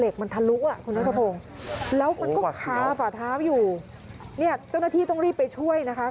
คือมันก็ไม่ง่ายนะ